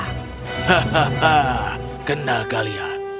hahaha kena kalian